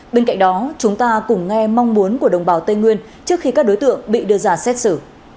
bên cạnh đó chúng ta cùng nghe mong muốn của đồng bào tây nguyên trước khi các đối tượng bị đưa ra xét xử